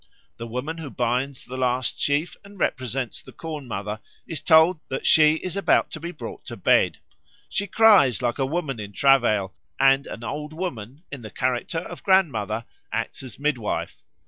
The woman who binds the last sheaf and represents the Corn mother is told that she is about to be brought to bed; she cries like a woman in travail, and an old woman in the character of grandmother acts as midwife.